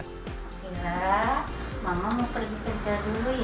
saya mama mau pergi kerja dulu ya